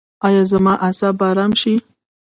ایا زما اعصاب به ارام شي؟